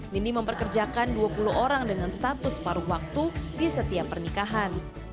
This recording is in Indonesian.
nini memperkerjakan dua puluh orang dengan status paruh waktu di setiap pernikahan